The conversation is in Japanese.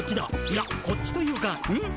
いやこっちというかうん？